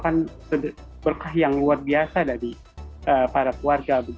dan itu berkah yang luar biasa dari para keluarga